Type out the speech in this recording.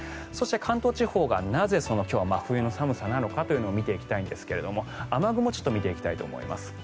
そして関東地方がなぜ、今日は真冬の寒さなのかというのを見ていきたいんですが雨雲を見ていきたいと思います。